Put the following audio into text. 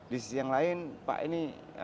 di sisi yang lain pak ini